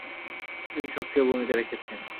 তিনি সক্রিয় ভূমিকা রেখেছেন।